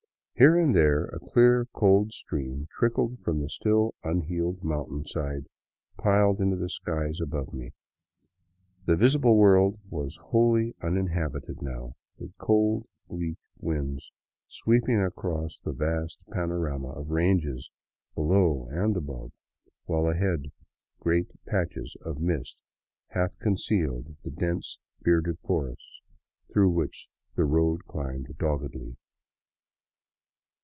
Here and there a clear, cold stream trickled from the still unhealed mountainside piled into the sky above me. The visible world was wholly uninhabited now, with cold, bleak winds sweeping across the vast panorama of ranges below and above ; while ahead, great patches of mist half concealed the dense, bearded forests no DOWN THE ANDES TO QUITO through which the road climbed doggedly.